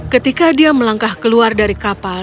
ketika dia melangkah keluar dari kapal